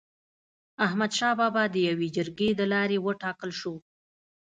احمد شاه بابا د يوي جرګي د لاري و ټاکل سو.